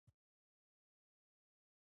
ویل: هو!